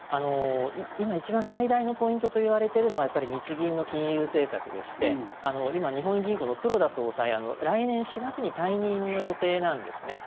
今一番、最大のポイントといわれているのはやっぱり日銀の金融政策でして今、日本銀行の黒田総裁来年４月に退任の予定なんですね。